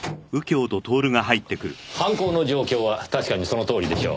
犯行の状況は確かにそのとおりでしょう。